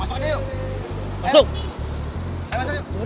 udah yuk masuk aja yuk